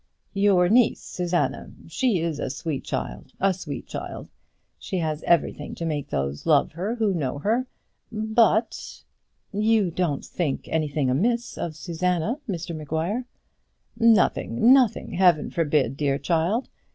"Your niece, Susanna! She is a sweet child, a sweet girl; she has everything to make those love her who know her; but " "You don't think anything amiss of Susanna, Mr Maguire?" "Nothing, nothing; Heaven forbid, dear child!